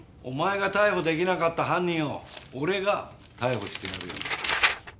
お前が逮捕できなかった犯人を俺が逮捕してやるよ。